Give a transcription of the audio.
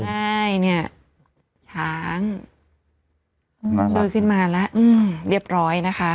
ใช่เนี่ยช้างช่วยขึ้นมาแล้วเรียบร้อยนะคะ